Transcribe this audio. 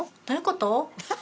どういうこと？